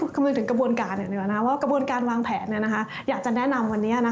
คำนึงถึงกระบวนการว่ากระบวนการวางแผนอยากจะแนะนำวันนี้